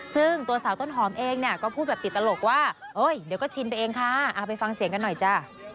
ซึ่งตัวสาวต้นหอมเองเนี่ยก็พูดแบบติดตลกว่าเดี๋ยวก็ชินไปเองค่ะไปฟังเสียงกันหน่อยจ้ะ